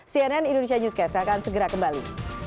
cnn indonesia newscast akan segera kembali